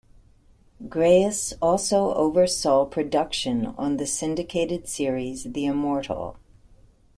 Grais also oversaw production on the syndicated series, "The Immortal".